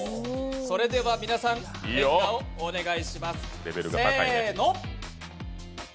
それでは皆さん変顔をお願いします。